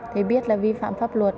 thế biết là vi phạm pháp luật